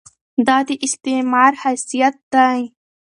دا د استعمار خاصیت دی.